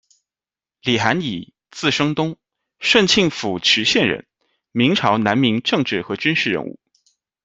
李含乙，字生东，顺庆府渠县人，明朝、南明政治和军事人物。